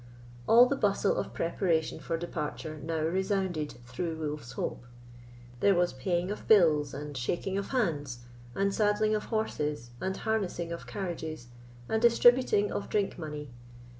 All the bustle of preparation for departure now resounded through Wolf's Hope. There was paying of bills and shaking of hands, and saddling of horses, and harnessing of carriages, and distributing of drink money.